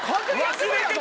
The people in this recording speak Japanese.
忘れてた！